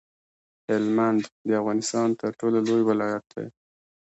هلمند د افغانستان تر ټولو لوی ولایت دی.